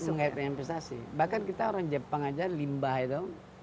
iya menggayatin investasi bahkan kita orang jepang aja limbah itu